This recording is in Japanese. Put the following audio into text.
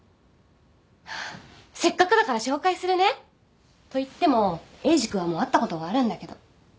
せっかくだから紹介するね。と言ってもエイジ君はもう会ったことがあるんだけど。